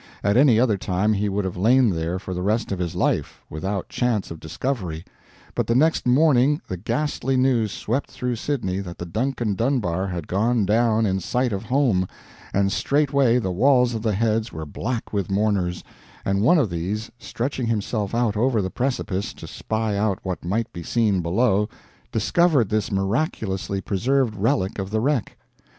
At any other time he would have lain there for the rest of his life, without chance of discovery; but the next morning the ghastly news swept through Sydney that the Duncan Dunbar had gone down in sight of home, and straightway the walls of the Heads were black with mourners; and one of these, stretching himself out over the precipice to spy out what might be seen below, discovered this miraculously preserved relic of the wreck.